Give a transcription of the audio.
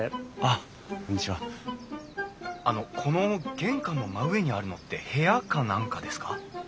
あのこの玄関の真上にあるのって部屋か何かですか？